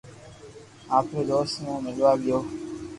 آپري دوست مون ملوا گيو